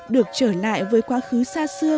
được trở lại với quá khứ xa xưa